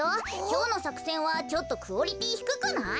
きょうのさくせんはちょっとクオリティーひくくない？